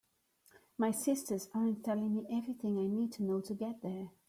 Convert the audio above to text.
My sisters aren’t telling me everything I need to know to get there.